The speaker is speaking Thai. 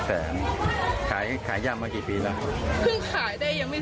คึงขายได้ยังไม่ถึงเดือนเลย